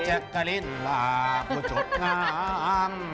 แจ็คกาลินลาผู้จดงาม